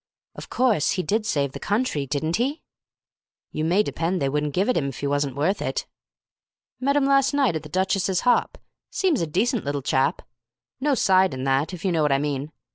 "Of course, he did save the country, didn't he?" "You may depend they wouldn't give it him if he wasn't worth it." "Met him last night at the Duchess's hop. Seems a decent little chap. No side and that, if you know what I mean.